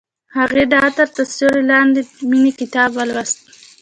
هغې د عطر تر سیوري لاندې د مینې کتاب ولوست.